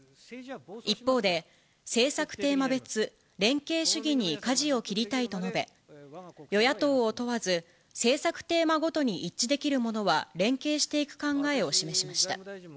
一方で、政策テーマ別・連携主義にかじを切りたいと述べ、与野党を問わず、政策テーマごとに一致できるものは、連携していく考えを示しました。